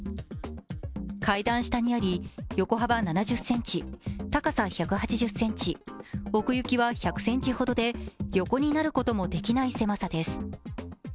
階段下にあり、横幅７０ｃｍ、高さ１８０ｃｍ、奥行きは１００ｃｍほどで横になることもできない狭さです。